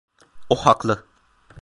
O haklı.